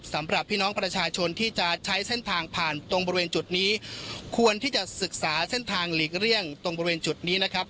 สำหรับพี่น้องประชาชนที่จะใช้เส้นทางผ่านตรงบริเวณจุดนี้ควรที่จะศึกษาเส้นทางหลีกเลี่ยงตรงบริเวณจุดนี้นะครับ